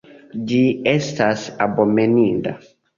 Ĝi estis abomeninda.